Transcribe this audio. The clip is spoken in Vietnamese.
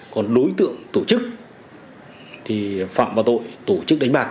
còn đối tượng tổ chức thì phạm vào tội tổ chức đánh bạc